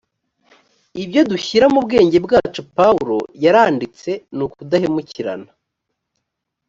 ibyo dushyira mu bwenge bwacu pawulo yaranditse nukudahemukirana.